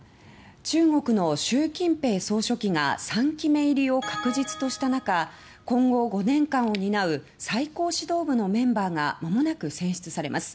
中国の習近平総書記が３期目入りを確実とした中今後５年間を担う最高指導部のメンバーがまもなく選出されます。